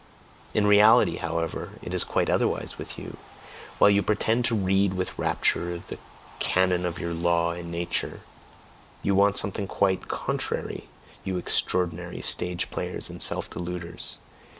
In reality, however, it is quite otherwise with you: while you pretend to read with rapture the canon of your law in Nature, you want something quite the contrary, you extraordinary stage players and self deluders!